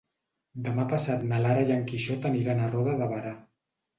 Demà passat na Lara i en Quixot aniran a Roda de Berà.